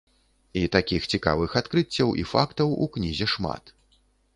І такіх цікавых адкрыццяў і фактаў у кнізе шмат.